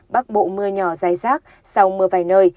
bắc bộ mưa nhỏ dài rác sau mưa vài nơi